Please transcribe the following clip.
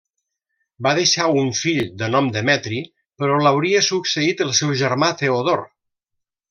Va deixar un fill de nom Demetri, però l'hauria succeït el seu germà Teodor.